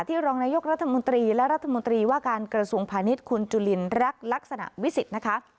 รองนายกรัฐมนตรีและรัฐมนตรีว่าการกระทรวงพาณิชย์คุณจุลินรักลักษณะวิสิทธิ์นะคะ